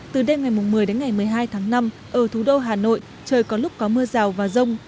từ đêm ngày một mươi đến ngày một mươi hai tháng năm ở thủ đô hà nội trời có lúc có mưa rào và rông